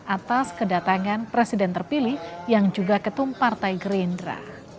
atas kedatangan presiden terpilih yang juga ketum partai gerindra